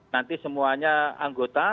nanti semuanya anggota